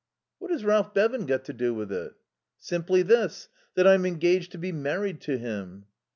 "What has Ralph Bevan got to do with it?" "Simply this, that I'm engaged to be married to him."